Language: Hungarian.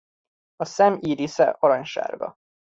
A szem írisze aranysárga.